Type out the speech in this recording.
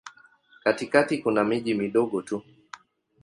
Katikati kuna miji midogo tu.